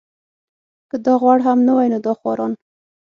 که دا غوړ هم نه وای نو دا خواران.